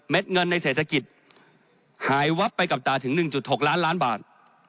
เงินในเศรษฐกิจหายวับไปกับตาถึง๑๖ล้านล้านบาท